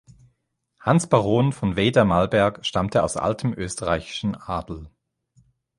Hans Baron von Veyder-Malberg stammte aus altem österreichischen Adel.